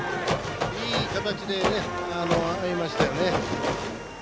いい形で合いましたよね。